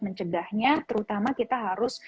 mencegahnya terutama kita harus